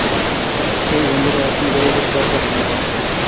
হেই, বন্ধুরা, এখানে দেখা করতে আসায় ধন্যবাদ।